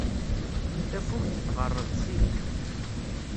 Tafukt tɣerreb zik.